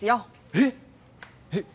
えっえっ